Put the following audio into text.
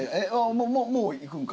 もう行くんか？